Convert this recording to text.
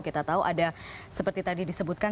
kita tahu ada seperti tadi disebutkan